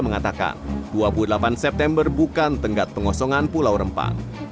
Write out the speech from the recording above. mengatakan dua puluh delapan september bukan tenggat pengosongan pulau rempang